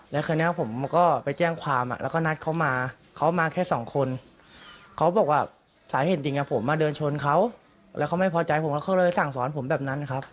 แล้วคราวนี้ผมก็ไปแจ้งความแล้วก็นัดเขามาเขามาแค่สองคนเขาบอกว่าสาเหตุจริงผมมาเดินชนเขาแล้วเขาไม่พอใจผมแล้วเขาเลยสั่งสอนผมแบบนั้นครับ